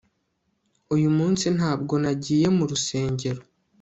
uyu munsi ntabwo nagiye mu rusengero